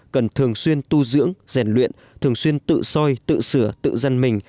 cần thường xuyên tu dưỡng rèn luyện thường xuyên tự soi tự sửa tự dân mình